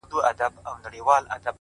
په جهان کي به خوره وره غوغا سي,